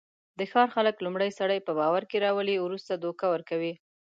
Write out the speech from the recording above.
د ښار خلک لومړی سړی په باورکې راولي، ورسته دوکه ورکوي.